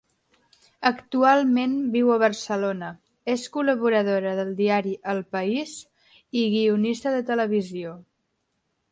Actualment viu a Barcelona, és col·laboradora del diari El País i guionista de televisió.